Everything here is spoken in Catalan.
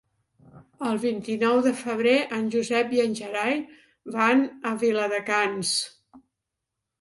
El vint-i-nou de febrer en Josep i en Gerai van a Viladecans.